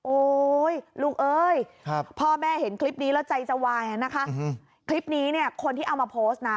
ลูกเอ้ยพ่อแม่เห็นคลิปนี้แล้วใจจะวายนะคะคลิปนี้เนี่ยคนที่เอามาโพสต์นะ